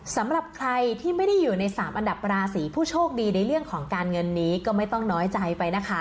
สำหรับใครที่ไม่ได้อยู่ใน๓อันดับราศีผู้โชคดีในเรื่องของการเงินนี้ก็ไม่ต้องน้อยใจไปนะคะ